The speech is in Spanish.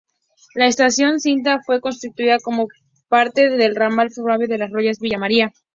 La estación Cintra fue construida como parte del ramal ferroviario Las Rosas-Villa María.